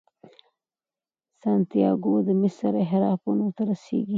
سانتیاګو د مصر اهرامونو ته رسیږي.